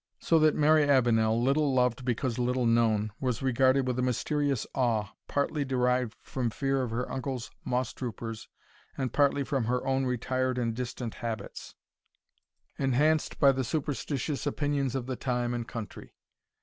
So that Mary Avenel, little loved because little known, was regarded with a mysterious awe, partly derived from fear of her uncle's moss troopers, and partly from her own retired and distant habits, enhanced by the superstitious opinions of the time and country.